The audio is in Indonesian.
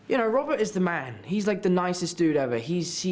anda tahu robert adalah lelaki dia seperti orang yang paling baik